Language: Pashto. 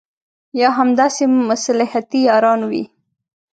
یا همداسې مصلحتي یاران وي.